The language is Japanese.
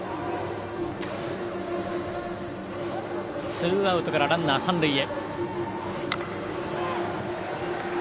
ツーアウトからランナー、三塁へ。